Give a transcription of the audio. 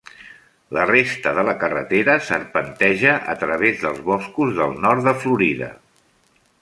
La resta de la carretera serpenteja a través dels boscos del nord de Florida.